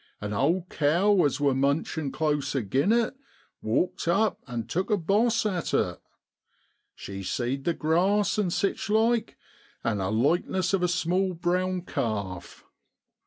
An owd cow as wor munchin' close agin it walked up an' took a boss at it. She seed the grass an' sich like, and a likeness of a small brown calf.